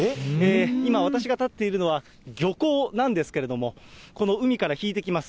今、私が立っているのは、漁港なんですけれども、この海から引いてきます。